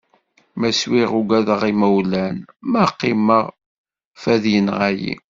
Ma swiɣ ugadeɣ imawlan, ma qqimeɣ fad yenɣa-yi.